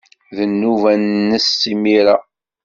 D nnuba-nnes imir-a.